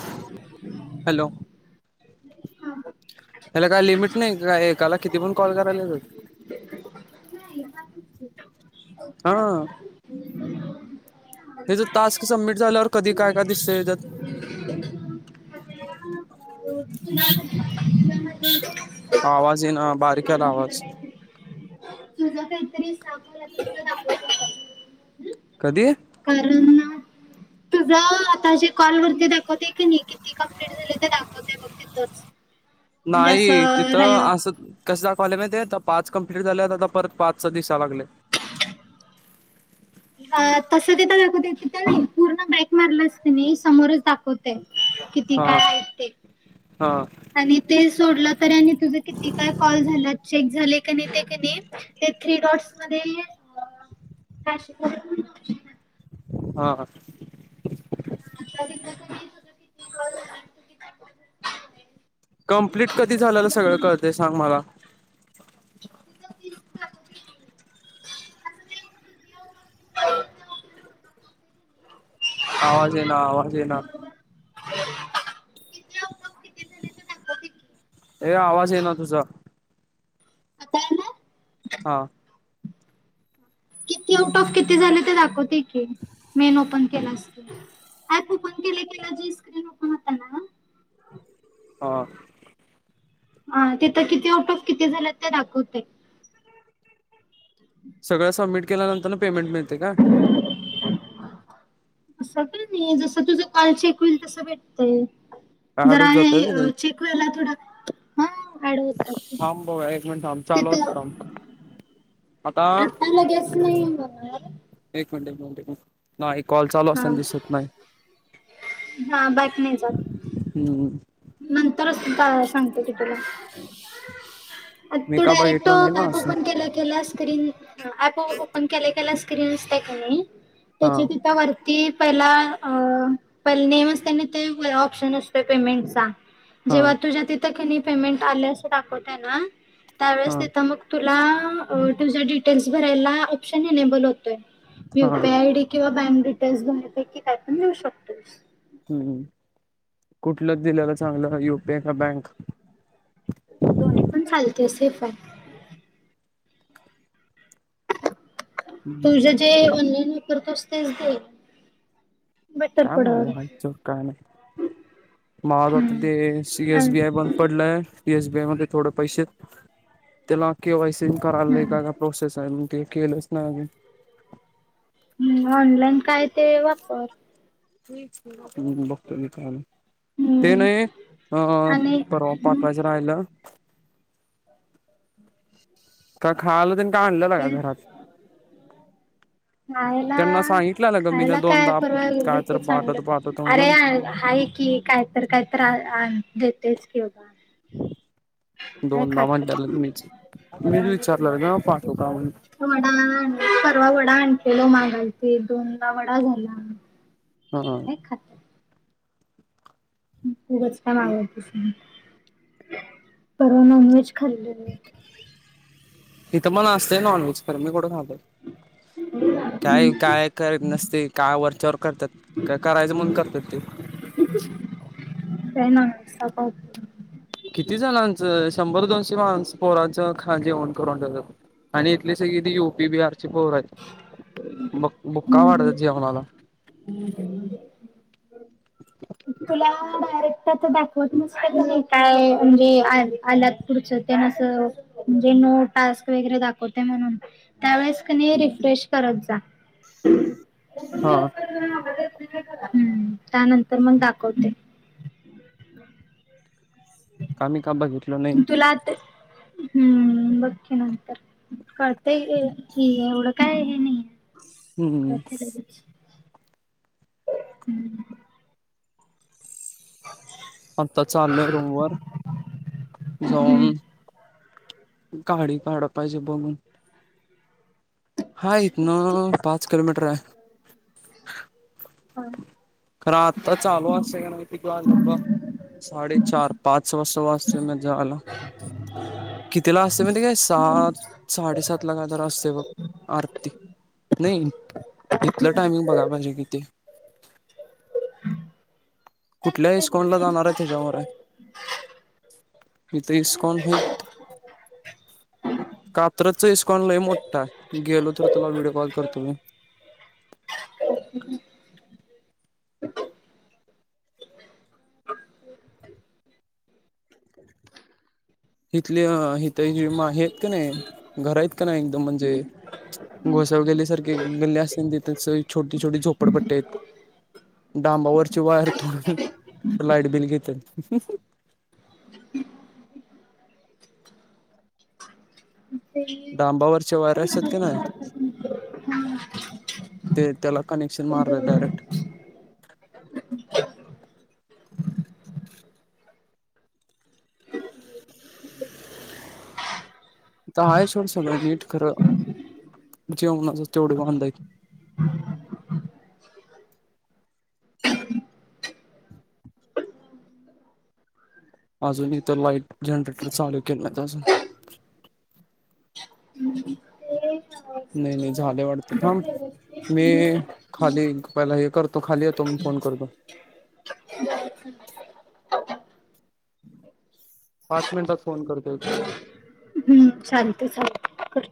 [inaudible] Hello? [unintelligible] त्याला काय limit नाही काय, एकाला किती पण कॉल कराल्यात? नाही, पाचच की. आ. हेच टास्क सबमिट झाल्यावर कधी काय, काय दिसतय ह्यच्यात? [inaudible] [inaudible] आवाज ये ना, बारीक याला आवाज. तुझं काहीतरी सा [unintelligible] कधी? कारण तुझा आता जे कॉलवरती दाखवते की नाही, किती कंप्लीट झाली ते दाखवतय बघ तिथंच. म्हणजे नाही, असं र- तिथं असं कसं दाखवाले माहितय, आता पाच कंप्लीट झालय, आता परत पाचच दिसा लागलय. अ तस तिथं दाखवत, तिथ नाही, पूर्ण बॅक मारलास की नाही समोरच दाखवतय कित हा, हा. आणि ते सोडलं तर आणि तुझ किती काय कॉल झालेत, चेक झाले की नाही, ते की नाही ते थ्री डॉट्स मधे [unintelligible] हा, हा. आता तिथल तुम्ही कंप्लीट कधी झालेल, सगळं कळतय सांग मला? [unintelligible] आवाज एना, आवाज एना. ए आवाज एना तुझा. आता आला? हां. किती आउट ऑफ किती झाले ते दाखवतय की, मेन ओपन. केलास. एप ओपन केल्या जी स्क्रिन ओपन होत्या ना हां. ह तिथं किती आउट ऑफ किती झालेत ते दाखवतय. सगळं सबमिट केल्यानंतर ना पेमेंट मिळतय काय? [unintelligible] अस काय नाही जस तुझं काल चेक होईल तस भेटतय, पॅड जरा होत जातय व्हय ते आणि चेक वायला थोडा हा ऍड होतात ते. थांब भाऊ एक मिनट थांब, चालू तिथं आसुदे थांब, आता नाही म एक मिनिट एक मिनिट एक मिट नाही कॉल चालू हा असताना दिसत नाही. हा बाईक नाही जात हम्म नंतरच सांगते की तुला. मी तू का डायरेक्ट बघितलो नाही ना ऍप असं ओपन केलं केलास? तरी अँप ओपन केल्या केल्या स्क्रीन असत की नाही हा त्याचा तिथं ती पहिला अ पहिला नेम असत ना ते ऑप्शन असतोय पेमेंटचा हा जेव्हा तुझ्या तिथं की नी पेमेंट आले असं दाखवतय ना, हा त्यावेळेस तिथं मग तुला तुझ्या डिटेल्स भरायला ऑप्शन एनेबल होतय यु हा पी आय डी. किंवा बँक डिटेल्स भरा पैकी काय पण देेऊ शकतोस. हम् कुठलं दिलेलं चांगलं यु पी आय का बँक? दोन्ही पण चालते सेफ आहे. तुझ जे ऑनलाईन वापरतोस तेच दे. बेटर काय पडल मागायचं काय नाही मागावं ते सी हम्म एस आणि बीआय बण पडलाय एस बी आय मध्ये थोड पैसे आहेत त्याला के वाय सी करायला लय काय काय प्रोसेस आहे मग ते केलंच नाय नाही अजून. हम्म ऑनलाईन काय ते वापर. ते हम्म नाही अ आणि परवा हम्म, पाठवायचं राहिलं. काय खायला तेनी आणलं का काय घरात? नाय ना त्यांना सांगितलेलं ग मीन खायला काय दोनदा परवा काय तर लगेच पाठवतो आणलं पाठवतो अरे म्हणून हाय की कायतर कायतर आ देतेच की बघा. नाय दोनदा खात. म्हणलेलं मीच मीच विचारलं ना पाठवू का म्हणून वडा परवा वडा आणलेलो मागालती दोनदा वडा झाला. हा ह नाय खात. उगाच का मागवतेस. परवा नॉन व्हेज खाल्ल मी. इथं पण असतय नॉनव्हेज तर मी कोठ खातो. काय हम्म, काय करत नसते काय वरच्यावर करतात का करायचं म्हणून करतात ते. का ना. किती जणांचं शंभर दोनशे माणसं पोरांचं खा जेवण करून ठेवलंत. आणि इथली सगळी ती यू पी बिहारची पोर आहे ब बुका वाढतात जेवणाला. हम्म ते येउद्या. तुला डायरेक्टच आता दाखवत नसत नाही काय म्हणजे आलात पुढचं त्याना अस म्हणजे नो टास्क वगैरे दाखवतय म्हणून त्यावेळेस क नयी रिफ्रेश करत जा. [unintelligible] हा त्यानंतर मग दाखवतय. [unintelligible] काल मी काय बघितलं नाही मी तुला आता हम्म, बघ की नंतर कळतय, एवढं काय हे नाहीये. हम्म कळतय लगेच. हम्म आता चाललोय रूमवर हम्म जाऊन गाडी काडाय पाहिजे बनवून. हा इतन अ पाच किलोमीटर आहे. हा खर आता चालू असतय का नाय, किती वाजलेत बघ? साडेचार पाच वाजतील न जेवायला, कितीला असतय माहितीये काय? सात, साडेसात ला काय तर असतय बघ आरती, नाही इथलं टायमिंग बघाय पाहिजे किती? कुठल्या इस्कॉन ला जाणार आहे त्याच्यावर हाय. इथं इस्कॉन हाईत. कात्रजच इस्कॉन लय मोठा हाय, गेलो तर तुला व्हिडिओ कॉल करतो मी. [unintelligible] [inaudible] इथल्या इथ हे आहेत का नयी, घर आहेत का नाही एकदम म्हणजे गोसावी गल्लीसारखी गल्ली असती न तीथ सगळी छोटी छोटी झोपडपट्टी आहेत. डांबावरची वायर तोडून लाईट बिल घेत्यात. ते- डांबावरचे वायर असत्यात की नाय हा, ते त्याला कनेक्शन ते मारलय दोन. डायरेक्ट. इथ हाय सोड सगळं नीट खरं, जेवणाच तेवढे वांद आहेत. आजुन इथ लाइट, जनरेटर चालू केलं नाहीत अजून हम्म हं ते येईल ना मंग? नाही नाही झालं वाटत थांब, मी आणि खाली पहिला हे करतो खाली येतो मग फोन करतो. पाच मिनिटात फोन करतोय चालतय, चालतय कर